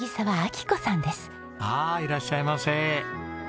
ああいらっしゃいませ。